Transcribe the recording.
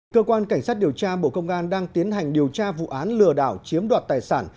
cơ quan cảnh sát điều tra bộ công an đang tiến hành điều tra vụ án lừa đảo chiếm đoạt tài sản